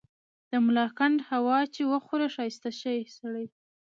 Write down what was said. د ملاکنډ هوا چي وخوري ښايسته شی سړے